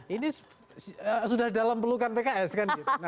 ini sudah dalam pelukan pks kan gitu